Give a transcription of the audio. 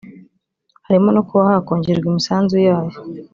harimo no kuba hakongerwa imisanzu yayo